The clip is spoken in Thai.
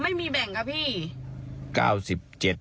ไม่มีแบ่งค่ะพี่